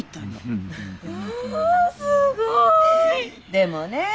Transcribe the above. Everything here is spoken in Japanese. でもね